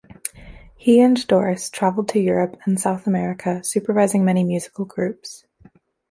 He and Doris traveled to Europe and South America supervising many musical groups.